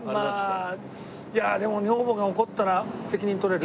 いやでも女房が怒ったら責任取れる？